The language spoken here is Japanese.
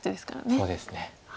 そうですね。